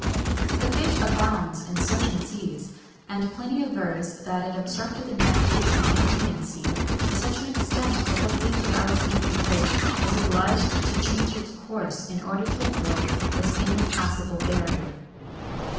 [XXI 110] This fish abounds in certain seas, and Pliny avers that it obstructed the navigation of the Indian Sea to such an extent, that the fleet of Alexander the Great was obliged to change its course, in order to avoid this impassable barrier.